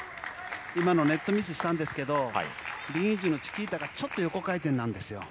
ネットミスしたんですけどリン・インジュのチキータがちょっと横回転なんですよ。